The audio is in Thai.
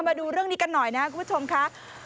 มาดูเรื่องนี้กันหน่อยนะครับคุณผู้ชมค่ะ